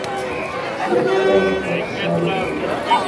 S wakka, ad tṣab lɣella.